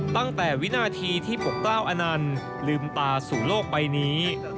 ตั้งแต่วินาทีที่ปกเกล้าอนันทร์ลืมตาสู่โลกใบนี้